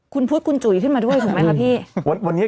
คุณพุฒิคุณจุ๋ยขึ้นมาด้วยถูกไหมครับพี่